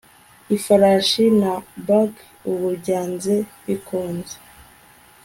ifarashi na buggy ubu byanze bikunze